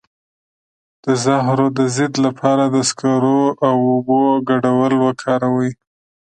د زهرو د ضد لپاره د سکرو او اوبو ګډول وکاروئ